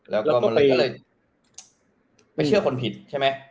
แล้วก็ไปเชื่อคนผิดใช่ไหม